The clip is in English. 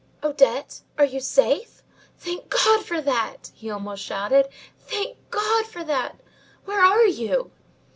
"Odette! Are you safe? Thank God for that!" he almost shouted. "Thank God for that! Where are you?"